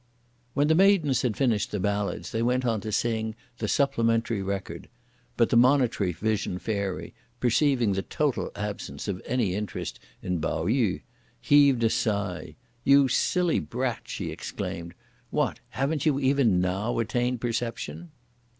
When the maidens had finished the ballads, they went on to sing the "Supplementary Record;" but the Monitory Vision Fairy, perceiving the total absence of any interest in Pao yü, heaved a sigh. "You silly brat!" she exclaimed. "What! haven't you, even now, attained perception!"